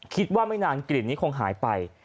คิดว่าไม่นานกลิ่นนี้คงหายไป